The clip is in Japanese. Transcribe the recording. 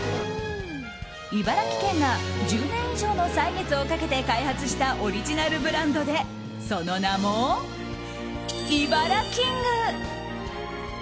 茨城県が１０年以上の歳月をかけて開発したオリジナルブランドでその名もイバラキング。